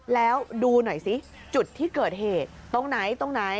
แล้วดูหน่อยสิจุดที่เกิดเหตุตรงไหน